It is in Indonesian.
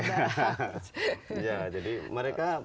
haus ya jadi mereka